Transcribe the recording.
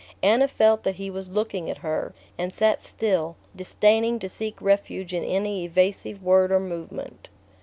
Anna felt that he was looking at her, and sat still, disdaining to seek refuge in any evasive word or movement.